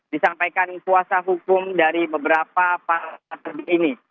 disampaikan kuasa hukum dari beberapa partai ini